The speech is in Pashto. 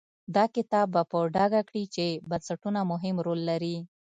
دا کتاب به په ډاګه کړي چې بنسټونه مهم رول لري.